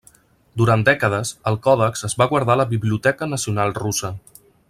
Durant dècades, el còdex es va guardar a la Biblioteca Nacional Russa.